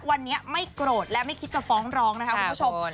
วันนี้ไม่โกรธและไม่คิดจะฟ้องร้องนะคะคุณผู้ชม